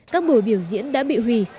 các bữa biểu diễn đã bị hủy